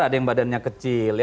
ada yang badannya kecil